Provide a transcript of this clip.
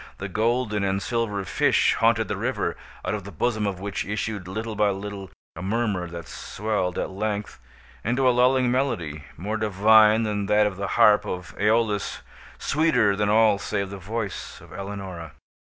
The golden and silver fish haunted the river, out of the bosom of which issued, little by little, a murmur that swelled, at length, into a lulling melody more divine than that of the harp of Æolus—sweeter than all save the voice of Eleonora.